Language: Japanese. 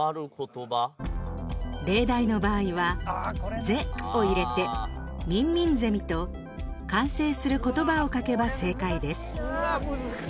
例題の場合は「ぜ」を入れて「みんみんぜみ」と完成する言葉を書けば正解です。